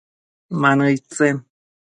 Ma nëid tsen ?